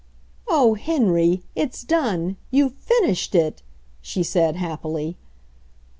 "Oh, Henry! It's done! You've finished it P she said happily.